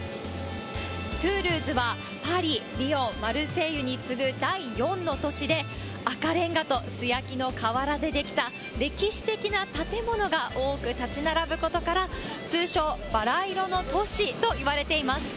トゥールーズは、パリ、リオ、マルセイユに次ぐ第４の都市で、赤れんがと素焼きの瓦で出来た出来た歴史的な建物が多く立ち並ぶことから、通称、バラ色の都市といわれています。